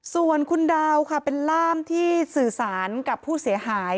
ส่วนคุณดาวค่ะเป็นล่ามที่สื่อสารกับผู้เสียหาย